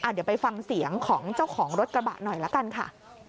เดี๋ยวไปฟังเสียงของเจ้าของรถกระบะหน่อยละกันค่ะ